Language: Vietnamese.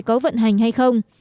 có vận hành hay không